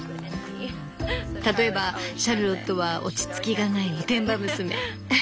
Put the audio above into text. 例えばシャルロットは落ち着きがないおてんば娘。